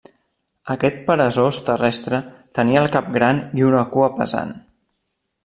Aquest peresós terrestre tenia el cap gran i una cua pesant.